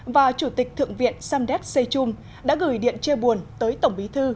và chủ tịch thượng viện samdet sechung đã gửi điện chê buồn tới tổng bí thư